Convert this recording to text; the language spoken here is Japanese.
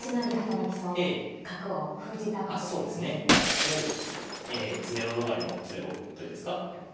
いわゆる詰めろ逃れの詰めろというんですか。